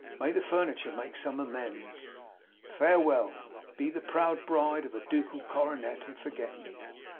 May the Furniture make some amends! 'Farewell! Be the proud bride of a ducal coronet, and forget me!